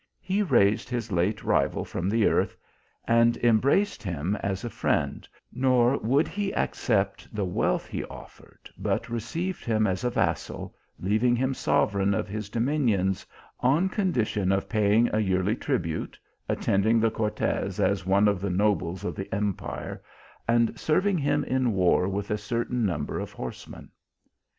He raised his late rival from the earth and embraced him as a friend, nor would he accept the wealth he offered, but received him as a vassal, leaving him sovereign of his dominions, on condition of paying a yearly tribute, attending the cortes as one of the nobles of the empire, and serving him in war with a certain number of horsemen.